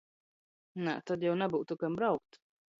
Nā, tod jau nabyutu kam braukt.